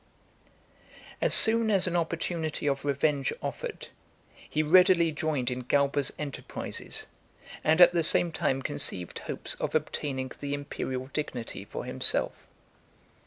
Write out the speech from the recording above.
IV. As soon as an opportunity of revenge offered, he readily joined in Galba's enterprises, and at the same time conceived hopes of obtaining the imperial dignity for himself.